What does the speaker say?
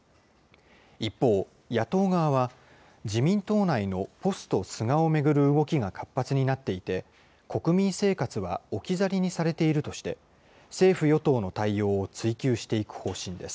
一方、野党側は自民党内のポスト菅を巡る動きが活発になっていて、国民生活は置き去りにされているとして、政府・与党の対応を追及していく方針です。